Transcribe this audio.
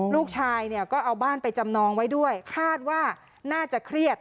ลูกชายเนี่ยก็เอาบ้านไปจำนองไว้ด้วยคาดว่าน่าจะเครียด